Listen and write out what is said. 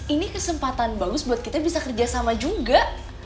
ini kesempatan bagus buat kita bisa kerja sama juga